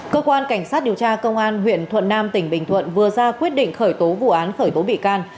cơ quan cảnh sát điều tra công an huyện thuận nam tỉnh bình thuận vừa ra quyết định khởi tố vụ án khởi tố bị can